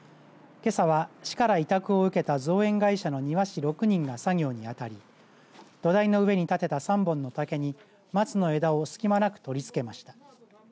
けさは市から委託を受けた造園会社の庭師６人が作業にあたり土台の上にたてた３本の竹に松の枝を隙間なく取り付けました。